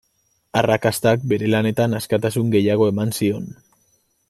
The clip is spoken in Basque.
Arrakastak bere lanetan askatasun gehiago eman zion.